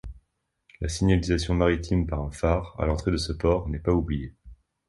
La signalisation maritime par un phare, à l'entrée de ce port, n'est pas oubliée.